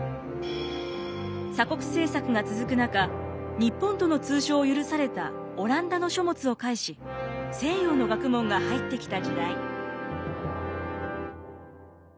鎖国政策が続く中日本との通商を許されたオランダの書物を介し西洋の学問が入ってきた時代。